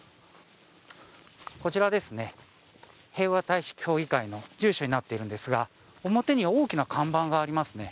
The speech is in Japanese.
こちらですね、平和大使協議会の住所になっているんですが、表に大きな看板がありますね。